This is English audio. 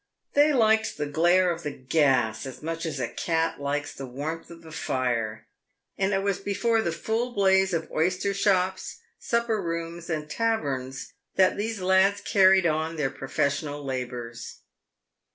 They liked the glare of the gas as much as a cat likes the warmth of the fire, and it was before the full blaze of oyster shops, supper rooms, and taverns, that these lads carried on their professional labours.